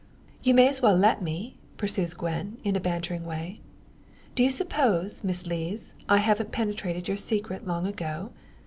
"You may as well let me," pursues Gwen, in a bantering way. "Do you suppose, Miss Lees, I haven't penetrated your secret long ago?